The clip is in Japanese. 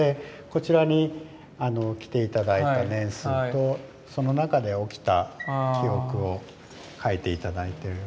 こちらに着て頂いた年数とその中で起きた記憶を書いて頂いてる。